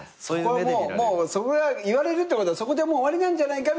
そこはもう言われるってことはそこで「もう終わりなんじゃないか？」